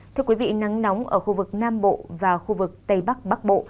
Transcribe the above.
thưa quý vị nắng nóng ở khu vực nam bộ và khu vực tây bắc bắc bộ